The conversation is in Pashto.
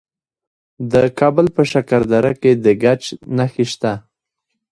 د کابل په شکردره کې د ګچ نښې شته.